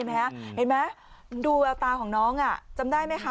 เห็นไหมดูแววตาของน้องจำได้ไหมคะ